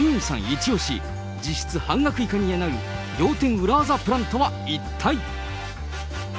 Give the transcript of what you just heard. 一押し、実質半額以下になる仰天裏技プランとは一体？